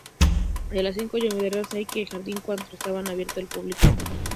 De los cinco invernaderos que hay en el Jardín, cuatro están abiertos al público.